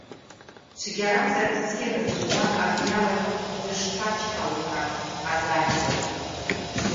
Цәгьарамзар бзиара зымуа абни ауаҩ дышԥачҳауеи ҳәа ҳазаӷьлоит.